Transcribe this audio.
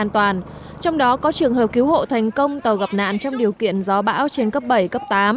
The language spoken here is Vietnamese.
trong đó có trường hợp cứu hộ thành công tàu gặp nạn trong điều kiện gió bão trên cấp bảy cấp tám